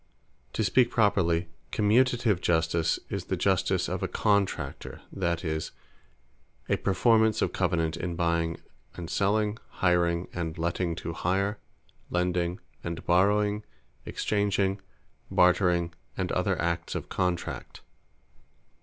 To speak properly, Commutative Justice, is the Justice of a Contractor; that is, a Performance of Covenant, in Buying, and Selling; Hiring, and Letting to Hire; Lending, and Borrowing; Exchanging, Bartering, and other acts of Contract.